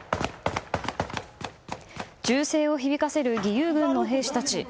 銃声を響かせる義勇軍の兵士たち。